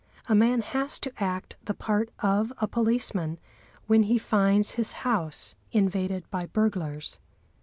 A man has to act the part of a policeman when he finds his house invaded by burglars.